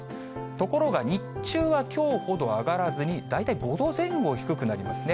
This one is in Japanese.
ところが、日中はきょうほど上がらずに、大体５度前後低くなりますね。